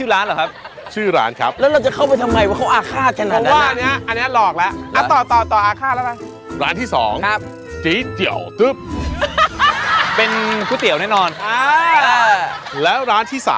แล้วร้านที่๓เวร